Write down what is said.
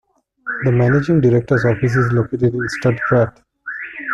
The managing director's office is located in Stuttgart.